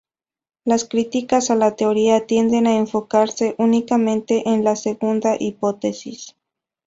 Las críticas a la teoría tienden a enfocarse únicamente en la segunda hipótesis.